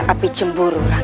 api cemburu raga buanaku